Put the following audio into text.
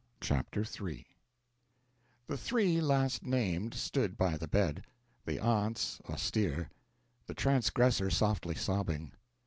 CHAPTER III The three last named stood by the bed; the aunts austere, the transgressor softly sobbing.